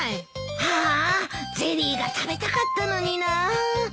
ああゼリーが食べたかったのにな。